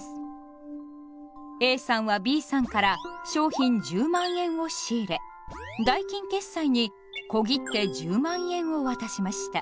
ＡさんはＢさんから商品１０万円を仕入れ代金決済に小切手１０万円を渡しました。